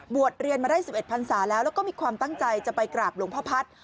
เรียนมาได้๑๑พันศาแล้วแล้วก็มีความตั้งใจจะไปกราบหลวงพ่อพัฒน์